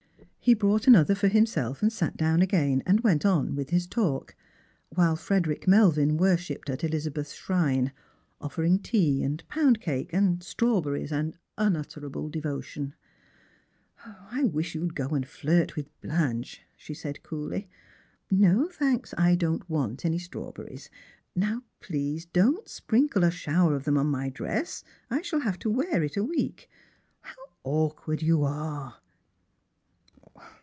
He brought another for himself and sat down again, and went on with his talk ; while Frederick Melvin worshipped at Elizabeth's shrine — ofi'ering tea, and pound cake, and straw berries, and unutterable devotion. '■[ wish you'd go and flirt with Blanche," she said coolly. ".'>.), thanks; I don't want any strawberries. Now, please, don't sprinkle a shower of them on my dross ; I shall have to wear it a week. How awkward you are